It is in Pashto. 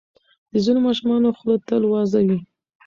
د ځینو ماشومانو خوله تل وازه وي.